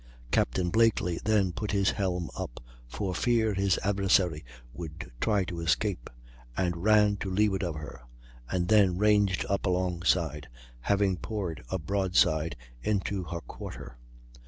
Capt. Blakely then put his helm up, for fear his adversary would try to escape, and ran to leeward of her, and then ranged up alongside, having poured a broadside into her quarter.